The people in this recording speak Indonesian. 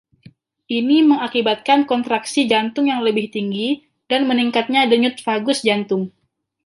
Ini mengakibatkan kontraksi jantung yang lebih tinggi dan meningkatnya denyut vagus jantung.